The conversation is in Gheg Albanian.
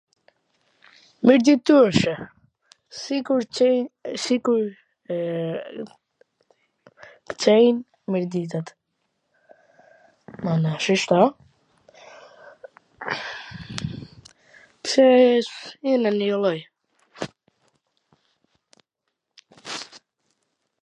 Mirditorshe, sikur kcejn ... sikur kcejn... Mirditat, mana, shishto, pse jena njw lloj.